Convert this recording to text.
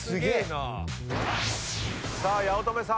さあ八乙女さん